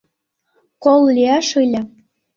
— Кол лияш ыле...